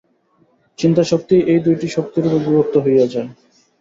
চিন্তাশক্তিই এই দুইটি শক্তিরূপে বিভক্ত হইয়া যায়।